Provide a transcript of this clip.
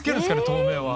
透明は。